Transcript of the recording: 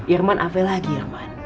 irman aave lagi irman